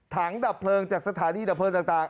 ดับเพลิงจากสถานีดับเพลิงต่าง